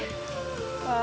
あ。